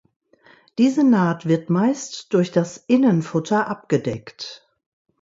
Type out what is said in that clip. Diese Naht wird meist durch das Innenfutter abgedeckt.